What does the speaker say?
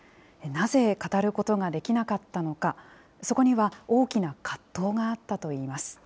なぜ語ることができなかったのか、そこには大きな葛藤があったといいます。